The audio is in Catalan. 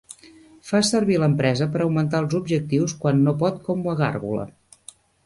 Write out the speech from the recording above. Fa servir l'empresa per augmentar els objectius quan no pot com a gàrgola.